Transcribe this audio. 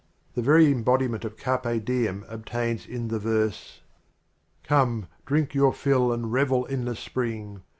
The very embodiment of " Carpe Diem " obtains in the verse : Come drink your fill and revel in the spring.